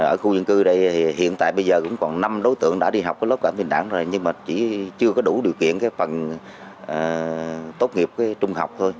ở khu dân cư đây thì hiện tại bây giờ cũng còn năm đối tượng đã đi học cái lớp cả bình đẳng rồi nhưng mà chỉ chưa có đủ điều kiện cái phần tốt nghiệp trung học thôi